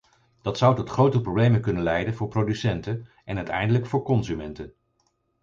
Dat zou tot grote problemen kunnen leiden voor producenten en uiteindelijk voor consumenten.